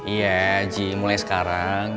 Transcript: iya ji mulai sekarang